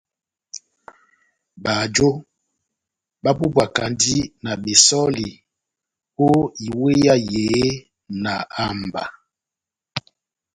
Bajo bapupwakandi na besὸli ó iweya yehé na amba.